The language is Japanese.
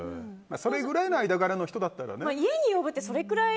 それぐらいの間柄の人だったらね。